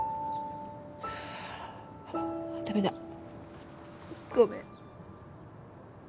ダメだごめん。